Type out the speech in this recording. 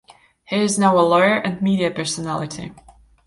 He is now a lawyer and media personality.